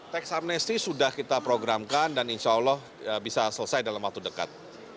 teks amnesti sudah kita programkan dan insya allah bisa selesai dalam waktu dekat